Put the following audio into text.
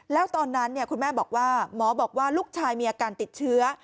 แล้วตอนนั้นคุณแม่บอกว่าหมอบอกว่าลูกชายมีอาการติดเชื้อ